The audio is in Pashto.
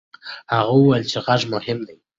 هغه وویل چې غږ مهم دی.